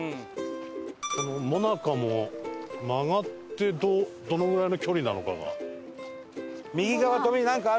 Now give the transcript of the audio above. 最中も曲がってどのぐらいの距離なのかが。